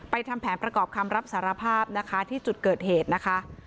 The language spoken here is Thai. ทำแผนประกอบคำรับสารภาพนะคะที่จุดเกิดเหตุนะคะ